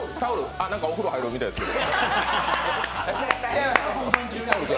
あれ、なんかお風呂入るみたいですけど。